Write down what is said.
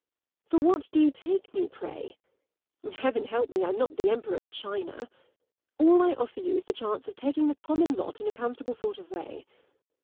For what do you take me, pray? Heaven help me, I'm not the Emperor of China! All I offer you is the chance of taking the common lot in a comfortable sort of way.